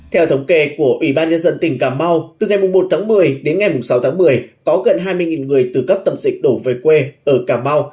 theo thống kê của ủy ban nhân dân tp hcm từ ngày một một mươi đến ngày sáu một mươi có gần hai mươi người từ cấp tầm dịch đổ về quê ở cà mau